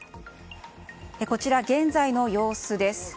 こちら現在の様子です。